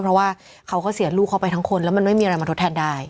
เพราะว่าเขาก็เสียลูกเขาไปทั้งคนแล้วมันไม่มีอะไรมาทดแทนได้